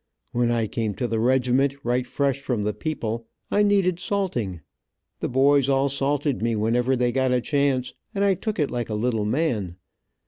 When I came to the regiment, right fresh from the people, I needed salting. The boys all salted me whenever they got a chance, and I took it like a little man.